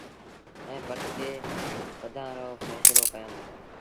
ائيٚݩ پٽڪي ٻڌآن رو ڦيسلو ڪيآݩدوݩ۔